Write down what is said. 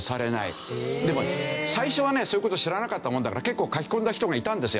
でも最初はねそういう事を知らなかったもんだから結構書き込んだ人がいたんですよ。